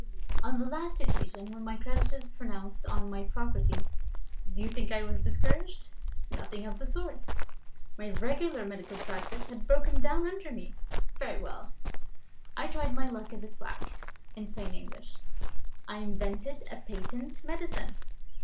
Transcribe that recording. On the last occasion when my creditors pounced on my property, do you think I was discouraged? Nothing of the sort! My regular medical practice had broken down under me. Very well I tried my luck as a quack. In plain English, I invented a patent medicine.